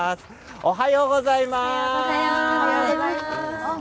おはようございます。